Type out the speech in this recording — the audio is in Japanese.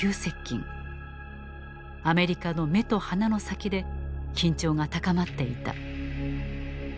アメリカの目と鼻の先で緊張が高まっていた。